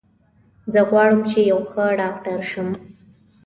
زه غواړم چې یو ښه ډاکټر شم